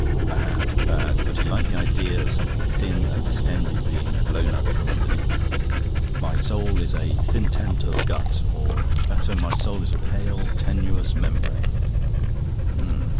Bad, bad. But he liked the idea of something thin and distended being blown up from underneath. "My soul is a thin tent of gut..." or better "My soul is a pale, tenuous membrane..."